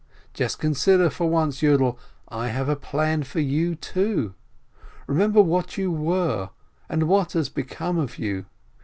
Just consider for once, Yiidel, I have a plan for you, too. Remember what you were, and what has become of you.